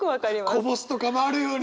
こぼすとかもあるよね！